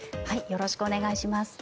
よろしくお願いします。